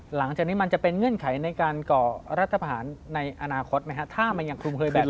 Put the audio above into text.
หลังจากนี้มันจะเป็นเงื่อนไขในการก่อรัฐผ่านในอนาคตไหมฮะถ้ามันยังคลุมเคยแบบนี้